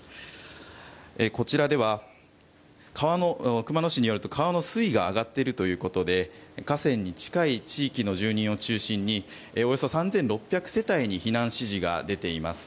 こちらでは熊野市によると川の水位が上がっているということで河川に近い地域の住人を中心におよそ３６００世帯に避難指示が出ています。